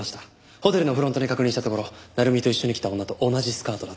ホテルのフロントに確認したところ鳴海と一緒に来た女と同じスカートだと。